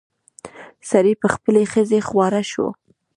سړي په خپلې ښځې خواړه شو.